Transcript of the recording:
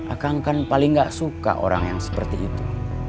akan kan paling gak suka orang yang seperti itu